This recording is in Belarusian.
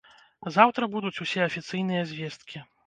Заўтра будуць усе афіцыйныя звесткі.